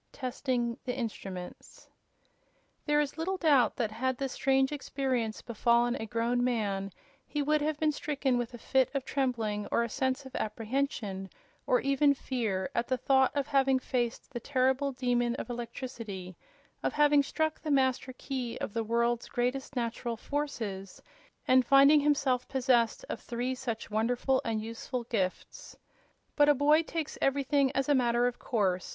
Testing the Instruments There is little doubt that this strange experience befallen a grown man he would have been stricken with a fit of trembling or a sense of apprehension, or even fear, at the thought of having faced the terrible Demon of Electricity, of having struck the Master Key of the world's greatest natural forces, and finding himself possessed of three such wonderful and useful gifts. But a boy takes everything as a matter of course.